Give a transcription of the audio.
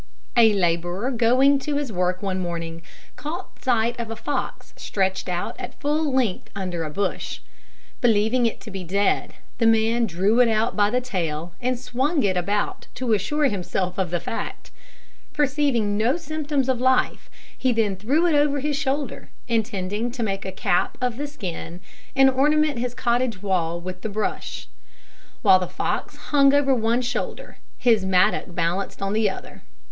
A labourer going to his work one morning, caught sight of a fox stretched out at full length under a bush. Believing it to be dead, the man drew it out by the tail, and swung it about to assure himself of the fact. Perceiving no symptoms of life, he then threw it over his shoulder, intending to make a cap of the skin, and ornament his cottage wall with the brush. While the fox hung over one shoulder, his mattock balanced it on the other.